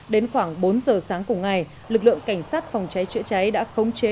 đến khoảng bốn giờ sáng cùng ngày lực lượng cảnh sát phòng cháy chữa cháy đã khống chế